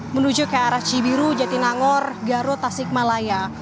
menuju ke arah cibiru jatinangor garut tasikmalaya